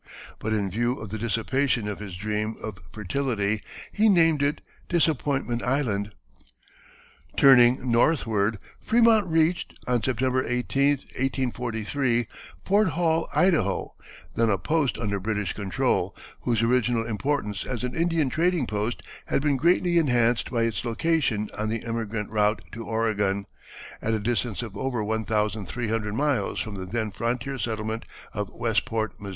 But in view of the dissipation of his dream of fertility he named it Disappointment Island. Turning northward Frémont reached, on September 18, 1843, Fort Hall, Idaho, then a post under British control, whose original importance as an Indian trading post had been greatly enhanced by its location on the emigrant route to Oregon, at a distance of over one thousand three hundred miles from the then frontier settlement of Westport, Mo.